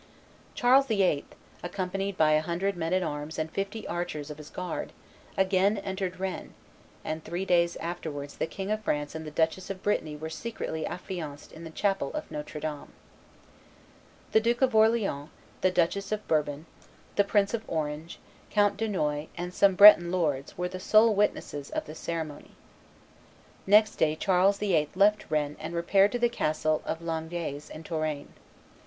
Charles VIII., accompanied by a hundred men at arms and fifty archers of his guard, again entered Rennes; and three days afterwards the King of France and the Duchess of Brittany were secretly affianced in the chapel of Notre Dame. The Duke of Orleans, the Duchess of Bourbon, the Prince of Orange, Count Dunois, and some Breton lords, were the sole witnesses of the ceremony. Next day Charles VIII. left Rennes and repaired to the castle of Langeais in Touraine.